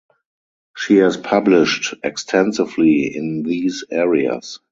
She has published extensively in these areas.